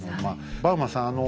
バウマンさん